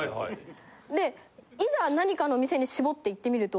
でいざ何かの店に絞って行ってみると。